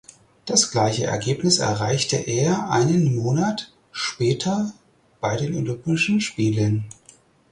Das gleiche Ergebnis erreichte er einen Monat später bei den Olympischen Spielen.